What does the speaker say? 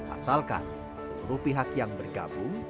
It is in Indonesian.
asalkan seluruh pihak yang bergabung